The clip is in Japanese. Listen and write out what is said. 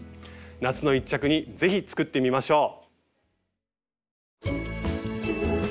夏の一着にぜひ作ってみましょう。